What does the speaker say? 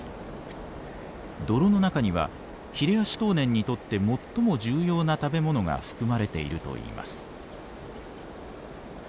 泥の中にはヒレアシトウネンにとって最も重要な食べ物が含まれているといいます。